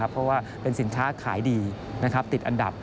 เพราะว่าเป็นสินค้าขายดีติดอันดับ